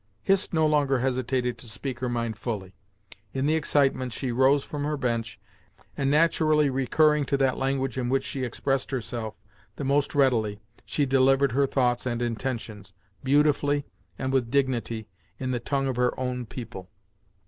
Hist no longer hesitated to speak her mind fully. In the excitement she rose from her bench, and naturally recurring to that language in which she expressed herself the most readily, she delivered her thoughts and intentions, beautifully and with dignity, in the tongue of her own people.